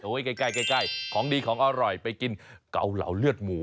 ใกล้ของดีของอร่อยไปกินเกาเหลาเลือดหมู